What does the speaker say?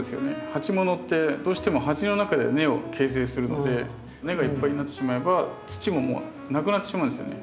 鉢ものってどうしても鉢の中で根を形成するので根がいっぱいになってしまえば土ももうなくなってしまうんですよね。